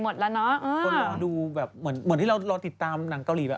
คนเรารู้ดูแบบเหมือนที่เรารอติดตามนางเกาหลี